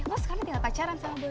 lu sekarang tinggal pacaran sama boy